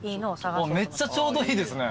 めっちゃちょうどいいですね。